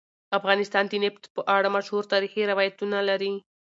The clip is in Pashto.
افغانستان د نفت په اړه مشهور تاریخی روایتونه لري.